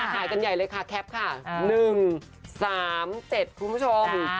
ถ่ายกันใหญ่เลยค่ะแคปค่ะ๑๓๗คุณผู้ชม